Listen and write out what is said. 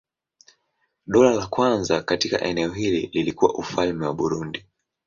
Dola la kwanza katika eneo hili lilikuwa Ufalme wa Burundi.